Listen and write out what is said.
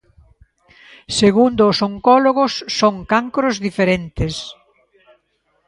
Segundo os oncólogos, son cancros diferentes.